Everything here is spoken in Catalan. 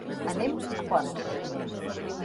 Anem a Ponts.